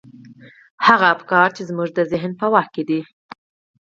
هغه افکار چې زموږ د ذهن په واک کې دي.